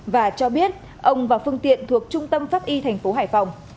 và cho biết ông và phương tiện thuộc trung tâm pháp y thành phố hải phòng